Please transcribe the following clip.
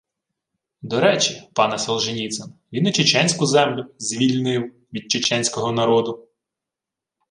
До речі, пане Солженіцин, він і чеченську землю «звільнив» від чеченського народу